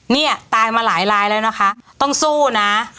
เนี่ยตายมาหลายลายแล้วนะคะต้องสู้นะ